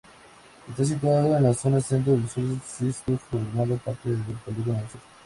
Está situado en la zona centro-sur del distrito, formando parte del Polígono Sur.